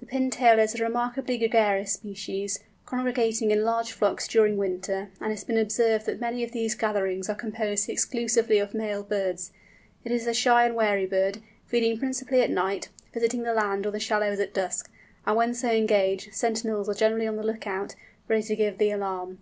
The Pintail is a remarkably gregarious species, congregating in large flocks during winter, and it has been observed that many of these gatherings are composed exclusively of male birds. It is a shy and wary bird, feeding principally at night, visiting the land or the shallows at dusk, and when so engaged, sentinels are generally on the look out, ready to give the alarm.